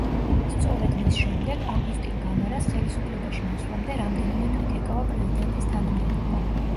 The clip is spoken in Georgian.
სწორედ მის შემდეგ, აგუსტინ გამარას ხელისუფლებაში მოსვლამდე რამდენიმე თვით ეკავა პრეზიდენტის თანამდებობა.